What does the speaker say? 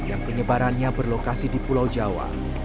yang penyebarannya berlokasi di pulau jawa